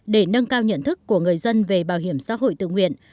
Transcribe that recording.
để nâng cao nhận thức của người dân về bảo hiểm xã hội tự nguyện